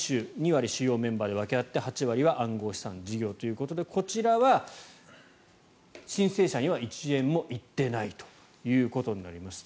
２割、主要メンバーで分け合って８割は暗号資産事業ということでこちらは申請者には１円も行っていないということになります。